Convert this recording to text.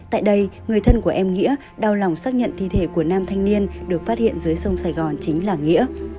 tại đây người thân của em nghĩa đau lòng xác nhận thi thể của nam thanh niên được phát hiện dưới sông sài gòn chính là nghĩa